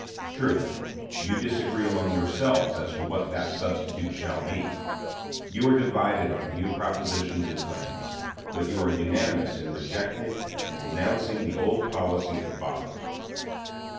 True, you disagree among yourselves as to what that substitute shall be. You are divided on new propositions and plans, but you are unanimous in rejecting and denouncing the old policy of the fathers.